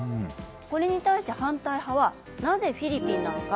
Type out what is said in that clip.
これに対し、反対派はなぜフィリピンなのか。